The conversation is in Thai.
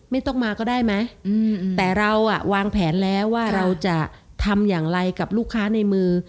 ไม่ต้องมาก็ได้ไหมแต่เราอ่ะวางแผนแล้วว่าเราจะทำอย่างไรกับลูกค้าในมือ